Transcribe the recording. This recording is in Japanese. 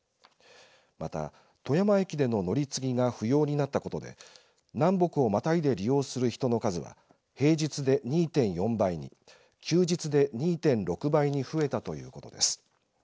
また、富山駅での乗り継ぎが不要になったことで南北をまたいで利用する人の数は平日で２．４倍に休日で２．６倍に増えたということです。